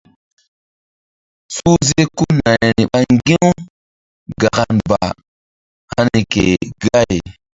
Suhze ko nayri ɓa ŋgi̧-u gakan ba hani ke gay.